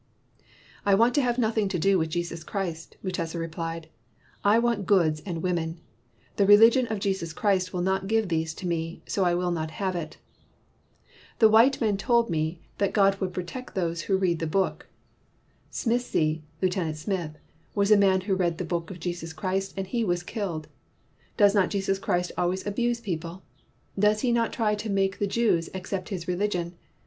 "I want to have nothing to do with Jesus Christ," Mutesa replied. "I want goods and women. The religion of Jesus Christ will not give these to me, so I will not have it. The white men told me that God would 147 WHITE MAN OF WORK protect those who read the Book. Smissi [Lieutenant Smith] was a man who read the book of Jesus Christ and he was killed. Does not Jesus Christ always abuse people ? Did he not try to make the Jews accept his religion?